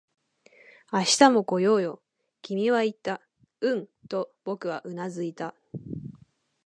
「明日も来ようよ」、君は言った。うんと僕はうなずいた